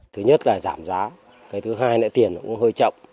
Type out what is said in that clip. thứ nhất là giảm giá thứ hai là tiền cũng hơi chậm